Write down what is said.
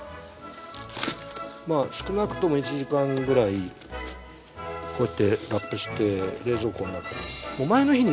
まあ少なくとも１時間ぐらいこうやってラップして冷蔵庫の中に。